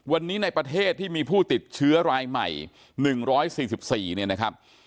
วันนี้ในประเทศที่มีผู้ติดเชื้อรายใหม่หนึ่งร้อยสี่สิบสี่เนี่ยนะครับ